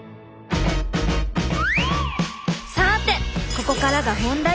さてここからが本題。